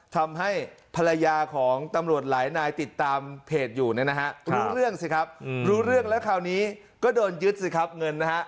ทำให้ภรรยาของตำรวจหลายนายติดตามเพจอยู่เนี่ยนะฮะรู้เรื่องสิครับรู้เรื่องแล้วคราวนี้ก็โดนยึดสิครับเงินนะฮะ